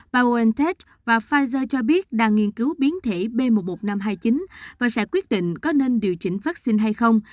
biontech và pfizer cho biết đang nghiên cứu biến thể b một một năm trăm hai mươi chín và sẽ quyết định có nên điều chỉnh vaccine hay không